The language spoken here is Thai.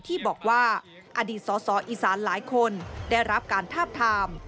ที่บอกว่าอดีตสอสออีสานหลายคนได้รับการทาบทาม